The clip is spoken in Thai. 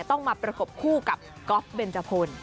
ต้องมาประกบคู่กับก๊อฟเบนจพล